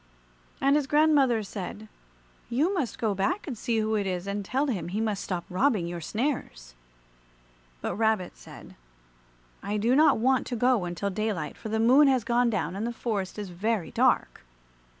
And his grandmother said, "You must go back and see who it is, and tell him he must stop robbing your snares." But Rabbit said, "I do not want to go until daylight, for the Moon has gone down and the forest is very dark."